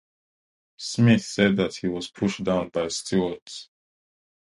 Smith said that he was pushed down by Stewart.